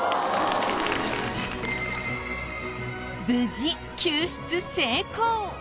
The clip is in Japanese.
無事救出成功！